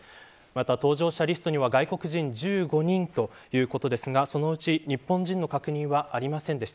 また搭乗者リストには外国人１５人ということですがそのうち日本人の確認はありませんでした。